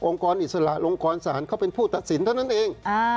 กรอิสระองค์กรศาลเขาเป็นผู้ตัดสินเท่านั้นเอง